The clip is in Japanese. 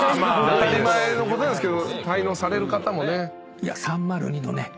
当たり前のことなんすけど滞納される方もね。